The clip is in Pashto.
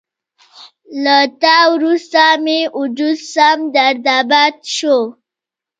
له تا وروسته مې وجود سم درداباد شو